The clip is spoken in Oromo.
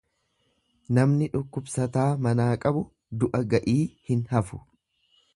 Namni dhukkubsataa manaa qabu du'a ga'ii hin hafu.